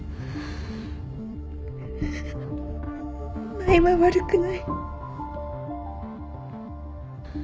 舞は悪くない。